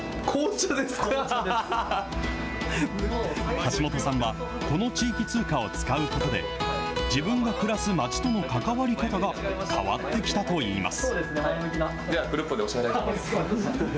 橋本さんは、この地域通貨を使うことで、自分が暮らす町との関わり方が変わってきたといいます。